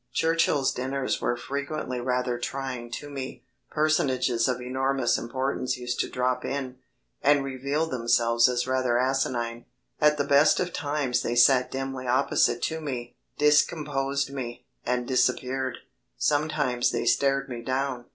Churchill's dinners were frequently rather trying to me. Personages of enormous importance used to drop in and reveal themselves as rather asinine. At the best of times they sat dimly opposite to me, discomposed me, and disappeared. Sometimes they stared me down.